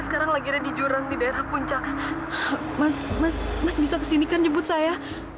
sampai jumpa di video selanjutnya